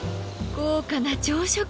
豪華な朝食！